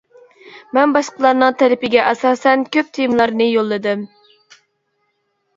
مەن باشقىلارنىڭ تەلىپىگە ئاساسەن كۆپ تېمىلارنى يوللىدىم.